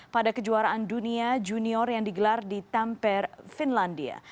pada kejuaraan dunia junior yang digelar di tamper finlandia